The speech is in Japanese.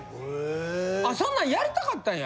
そんなんやりたかったんや。